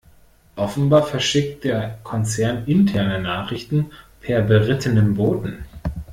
Offenbar verschickt der Konzern interne Nachrichten per berittenem Boten.